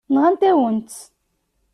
Nɣant-awen-tt.